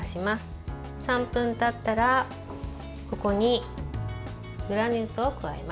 ３分たったらここにグラニュー糖を加えます。